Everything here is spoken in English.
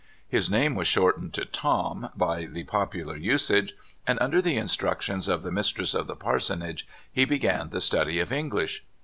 His name was shortened to *' Tom " by the popular usage, and under the in structions of the mistress of the parsonage he be gan the study of English.